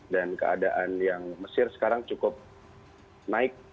dan keadaan yang mesir sekarang cukup naik